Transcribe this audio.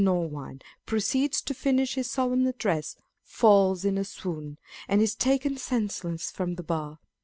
Norwynne proceeds to finish his solemn address, falls in a swoon, and is taken senseless from the bar.